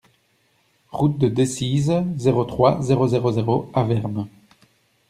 Route de Decize, zéro trois, zéro zéro zéro Avermes